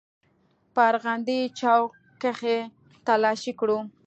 په ارغندې چوک کښې يې تلاشي کړو.